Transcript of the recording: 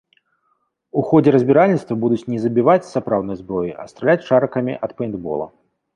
У ходзе разбіральніцтва будуць не забіваць з сапраўднай зброі, а страляць шарыкамі ад пэйнтбола.